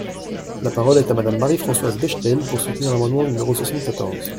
La parole est à Madame Marie-Françoise Bechtel, pour soutenir l’amendement numéro soixante-quatorze.